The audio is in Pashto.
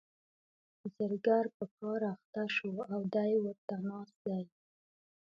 زرګر په کار اخته شو او دی ورته ناست دی.